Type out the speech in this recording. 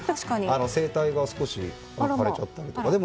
声帯が少し枯れちゃったみたいで。